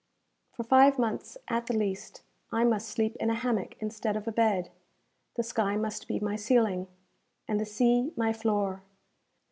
For five months, at the least, I must sleep in a hammock instead of a bed; the sky must be my ceiling, and the sea my floor.